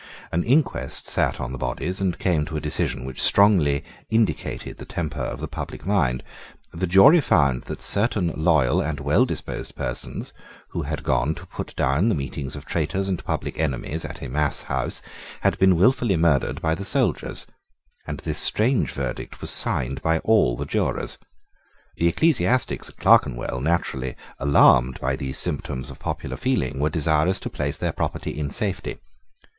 An inquest sate on the bodies, and came to a decision which strongly indicated the temper of the public mind. The jury found that certain loyal and well disposed persons, who had gone to put down the meetings of traitors and public enemies at a mass house, had been wilfully murdered by the soldiers; and this strange verdict was signed by all the jurors. The ecclesiastics at Clerkenwell, naturally alarmed by these symptoms of popular feeling, were desirous to place their property in safety.